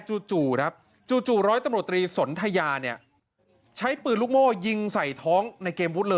จูจูร้อยตำรวจตรีสนทะยา